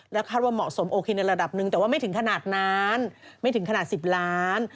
แต่ว่าไม่ถึงขนาดนั้นไม่ถึงขนาด๑๐ล้าน